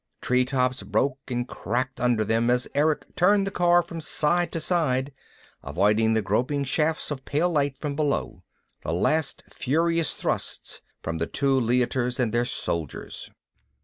Treetops broke and cracked under them as Erick turned the car from side to side, avoiding the groping shafts of pale light from below, the last furious thrusts from the two Leiters and their soldiers.